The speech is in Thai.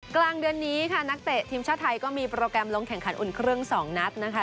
กลางเดือนนี้ค่ะนักเตะทีมชาติไทยก็มีโปรแกรมลงแข่งขันอุ่นเครื่อง๒นัดนะคะ